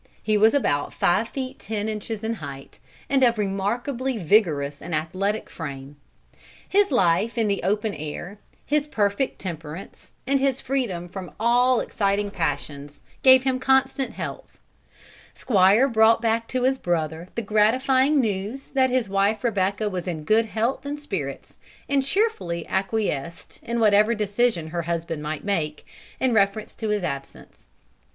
He was about five feet ten inches in height, and of remarkably vigorous and athletic frame. His life in the open air, his perfect temperance, and his freedom from all exciting passions, gave him constant health. Squire brought back to his brother the gratifying news that his wife Rebecca was in good health and spirits, and cheerfully acquiesced in whatever decision her husband might make, in reference to his absence.